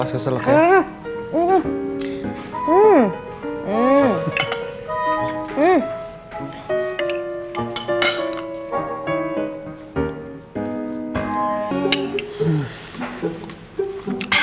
awas kesel ya